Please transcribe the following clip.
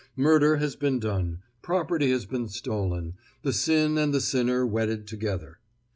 Murder has been done, property has been stolen, the sin and the sinner wedded together.